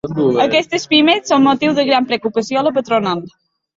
Aquestes pimes són motiu de gran preocupació a la patronal.